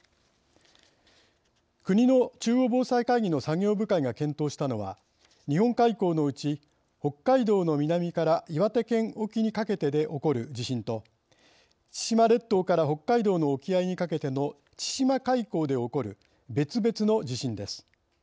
国の中央防災会議の作業部会が検討したのは日本海溝のうち北海道の南から岩手県沖にかけてで起こる地震と千島列島から北海道の沖合にかけての千島海溝で起こる別々の地震です。